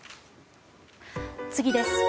次です。